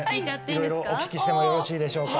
いろいろお聞きしてもよろしいでしょうか？